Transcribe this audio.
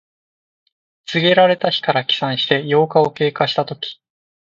告げられた日から起算して八日を経過したとき。